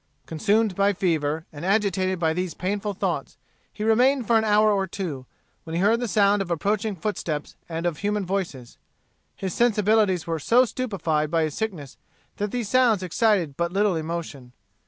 Consumed by fever, and agitated by these painful thoughts, he remained for an hour or two, when he heard the sound of approaching footsteps and of human voices. His sensibilities were so stupefied by his sickness that these sounds excited but little emotion.